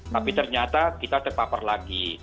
tapi ternyata kita terpapar lagi